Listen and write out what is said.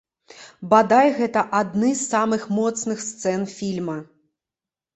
Бадай, гэта адны з самых моцных сцэн фільма.